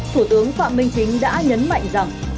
thủ tướng phạm minh chính đã nhấn mạnh rằng